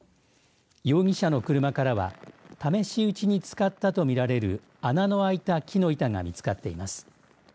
容疑者の車からは試し撃ちに使ったと見られる穴の開いた木の板が見つかっています。